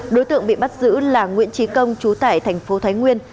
đối tượng bị bắt giữ là nguyễn trí công chú tải tp thái nguyên